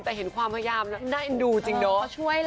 แต่เห็นความพยายามน่าเอ็นดูจริงเนาะ